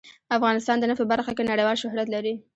افغانستان د نفت په برخه کې نړیوال شهرت لري.